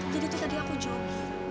jadi tuh tadi aku job